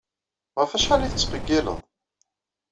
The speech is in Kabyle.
Ɣef wacḥal ay tettqeyyileḍ?